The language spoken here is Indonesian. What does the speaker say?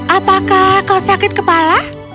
apakah kau sakit kepala